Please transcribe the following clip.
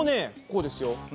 こうですよ。